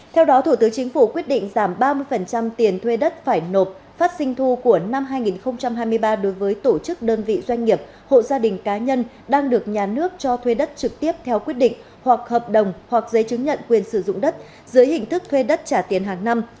theo đó thủ tướng chính phủ quyết định giảm ba mươi tiền thuê đất phải nộp phát sinh thu của năm hai nghìn hai mươi ba đối với tổ chức đơn vị doanh nghiệp hộ gia đình cá nhân đang được nhà nước cho thuê đất trực tiếp theo quyết định hoặc hợp đồng hoặc giấy chứng nhận quyền sử dụng đất dưới hình thức thuê đất trả tiền hàng năm